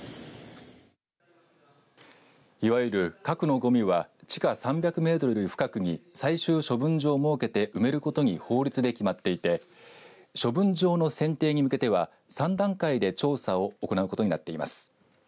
いわゆる核のごみは地下３００メートルより深くに最終処分場を設けて埋めることに法律で決まっていて処分場の選定に向けては３段階で調査を行うことになっています。